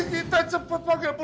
gitu harus tolong aku